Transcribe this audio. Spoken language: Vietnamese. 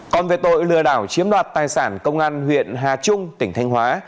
còn về tội lừa đảo chiếm đoạt tài sản công an huyện hà trung tỉnh thanh hóa